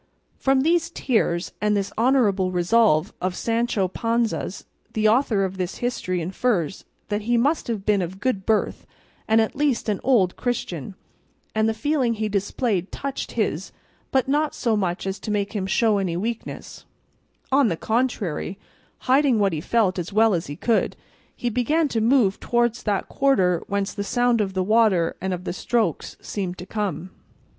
From these tears and this honourable resolve of Sancho Panza's the author of this history infers that he must have been of good birth and at least an old Christian; and the feeling he displayed touched his but not so much as to make him show any weakness; on the contrary, hiding what he felt as well as he could, he began to move towards that quarter whence the sound of the water and of the strokes seemed to come.